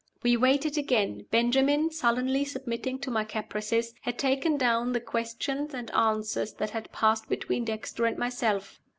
We waited again. Benjamin, sullenly submitting to my caprices, had taken down the questions and answers that had passed between Dexter and myself.